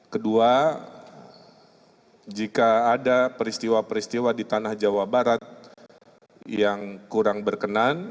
kedua jika ada peristiwa peristiwa di tanah jawa barat yang kurang berkenan